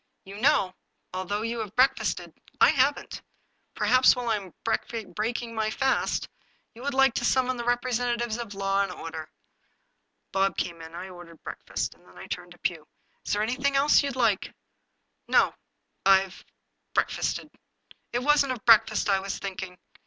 You know, although you have break fasted, I haven't. Perhaps while I am breaking my fast, you would like to summon the representatives of law and order." Bob came in. I ordered breakfast. Then I turned to Pugh. " Is there anything you would like ?"" No, I— I've breakfasted." " It wasn't of breakfast I was thinking.